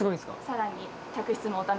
さらに。